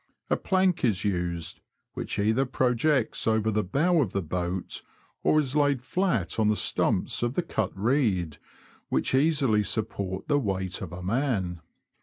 A plank is used, which either projects over the bow of the boat, or is laid flat on the stumps of the cut reed, which easily support the weight of a man.